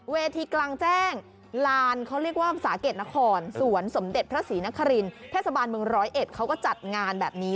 เวทีกลางแจ้งลานเขาเรียกว่าสาเก็ตนครสวนสมเด็จพระศรีนครินเทศบาลเมืองร้อยเอ็ดเขาก็จัดงานแบบนี้